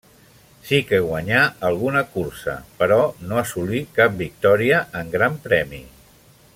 Sí que guanyà alguna cursa, però no assolí cap victòria en Gran Premi.